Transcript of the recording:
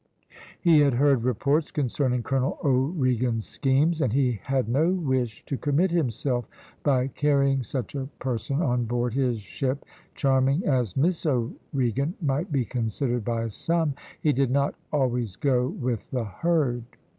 "He had heard reports concerning Colonel O'Regan's schemes, and he had no wish to commit himself by carrying such a person on board his ship charming as Miss O'Regan might be considered by some. He did not always go with the herd."